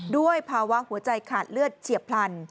ด้วยภาวะหัวใจขาดเลือดเฉียบพลัน